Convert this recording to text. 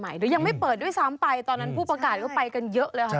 หรือยังไม่เปิดด้วยซ้ำไปตอนนั้นผู้ประกาศก็ไปกันเยอะเลยค่ะ